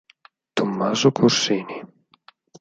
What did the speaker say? Tommaso Corsini